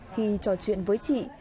khi trò chuyện với chị